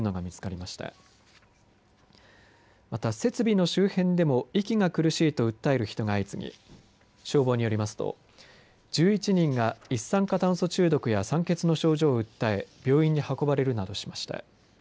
また、設備の周辺でも息が苦しいと訴える人が相次ぎ消防によりますと１１人が一酸化炭素中毒や酸欠の症状を訴え病院に運ばれるなどしました。